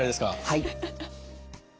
はい。